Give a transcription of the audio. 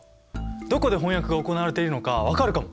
どこで翻訳が行われているのか分かるかも！